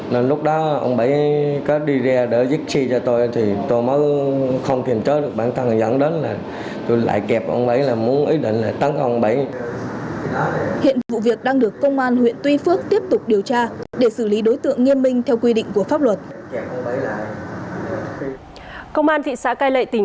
nên lúc đó ông bảy có đi ra làm tay không chịu death mà rồi cũng có lý doexcit không kiềm chế được bản thân